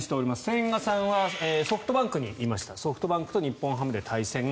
千賀さんはソフトバンクにいましたソフトバンクと日本ハムで対戦。